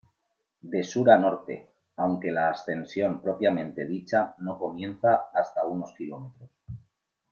De Sur a Norte, aunque la ascensión propiamente dicha no comienza hasta unos km.